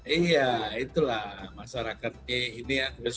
iya itulah masyarakat ini yang sesuatu yang baru ya